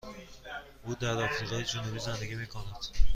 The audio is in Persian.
او در آفریقای جنوبی زندگی می کند.